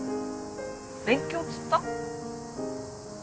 勉強っつった？